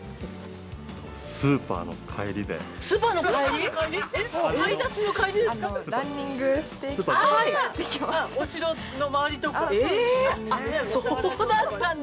◆スーパーの帰りで。